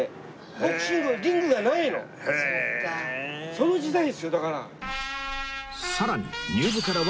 その時代ですよだから。